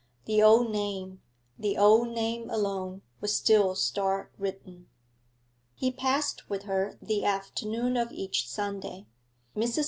the old name, the old name alone, was still star written.... He passed with her the afternoon of each Sunday. Mrs.